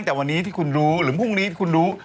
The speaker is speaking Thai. แต่วันนี้ที่คุณรู้หรือพรุ่งนี้คุณรู้